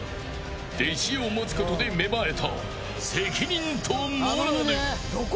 弟子を持つことで芽生えた責任とモラル。